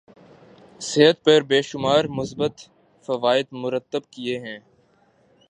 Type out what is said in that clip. صحت پر بے شمار مثبت فوائد مرتب کیے ہیں